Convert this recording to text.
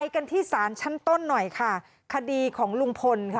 กันที่สารชั้นต้นหน่อยค่ะคดีของลุงพลค่ะ